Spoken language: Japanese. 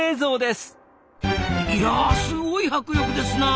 いやすごい迫力ですな。